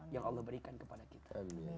yang allah berikan kepada kita